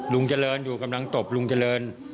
ลุงเจริญอยู่กำลังตบลุงเจริญ